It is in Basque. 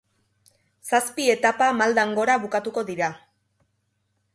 Zazpi etapa maldan gora bukatuko dira.